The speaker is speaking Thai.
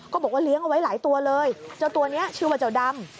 บอกว่าเลี้ยงเอาไว้หลายตัวเลยเจ้าตัวนี้ชื่อว่าเจ้าดำ